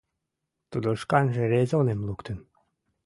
Тудо шканже резоным луктын: